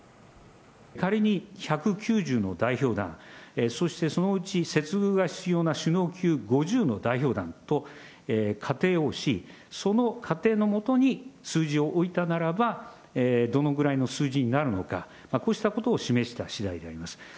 仮に１９０の代表団、そしてそのうち接遇が必要な首脳級５０の代表団と仮定をし、その仮定の下に、数字を置いたならば、どのぐらいの数字になるのか、こうしたことを示したしだいであります。